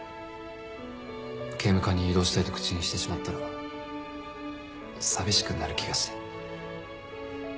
警務科に異動したいと口にしてしまったら寂しくなる気がして。